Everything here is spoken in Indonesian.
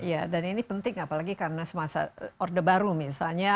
iya dan ini penting apalagi karena semasa orde baru misalnya